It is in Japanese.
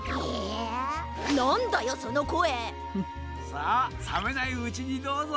・さあさめないうちにどうぞ！